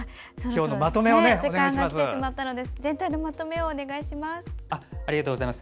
時間がきてしまったので全体のまとめをお願いします。